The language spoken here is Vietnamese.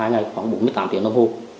hai ngày khoảng bốn mươi tám giờ đồng hồ